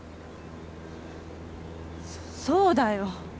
そっそうだよ。